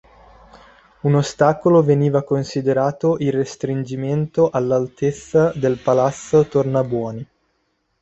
Un ostacolo veniva considerato il restringimento all'altezza del palazzo Tornabuoni.